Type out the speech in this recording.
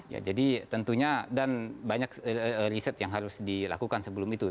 ya jadi tentunya dan banyak riset yang harus dilakukan sebelum itu